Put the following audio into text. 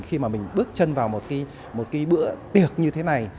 khi mà mình bước chân vào một cái bữa tiệc như thế này